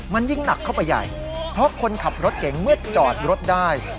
มันยิ่งหนักเข้าไปใหญ่เพราะคนขับรถเก่งเมื่อจอดรถได้